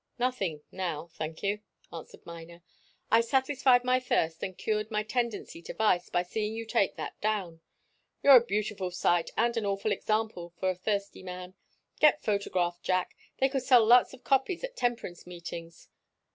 "Nothing now thank you," answered Miner. "I've satisfied my thirst and cured my tendency to vice by seeing you take that down. You're a beautiful sight and an awful example for a thirsty man. Get photographed, Jack they could sell lots of copies at temperance meetings.